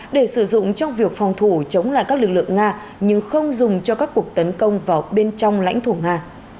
để sử dụng trong việc phòng thủ chống lại các lực lượng nga nhưng không dùng cho các cuộc tấn công vào bên trong lãnh thổ nga